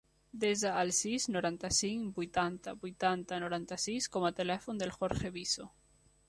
Desa el sis, noranta-cinc, vuitanta, vuitanta, noranta-sis com a telèfon del Jorge Viso.